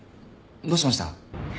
どうしました？